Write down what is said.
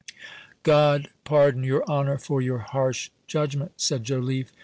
"God pardon your honour for your harsh judgment," said Joliffe.